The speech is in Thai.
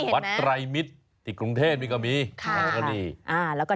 วัดไตรมิตรติกกรุงเทนวิกามีวัดผ้าม้าย